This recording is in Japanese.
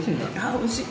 おいしい。